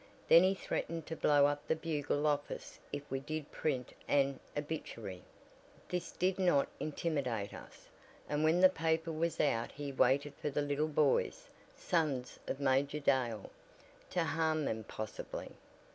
Then he threatened to blow up the Bugle office if we did print an obituary. This did not intimidate us, and when the paper was out he waited for the little boys, sons of Major Dale, to harm them possibly.